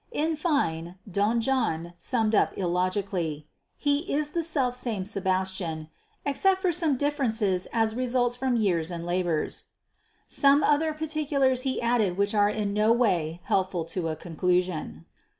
"In fine," Don John summed up illogically, "he is the self same Sebastian except for such differences as resulted from years and labours." Some other particulars he added which are in no way helpful to a conclusion.